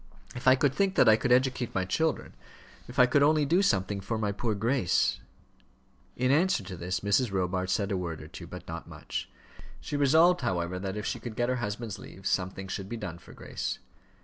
If I could think that I could educate my children; if I could only do something for my poor Grace " In answer to this Mrs. Robarts said a word or two, but not much. She resolved, however, that if she could get her husband's leave, something should be done for Grace.